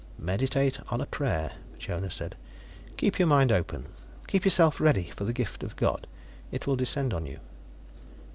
"Meditate on a prayer," Jonas said. "Keep your mind open, keep yourself ready for the gift of God. It will descend on you."